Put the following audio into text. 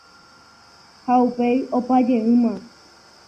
ha upéi opa jeýma